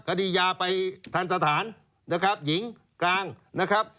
คดียาไปทันสถานนะครับหญิงกลางนะครับ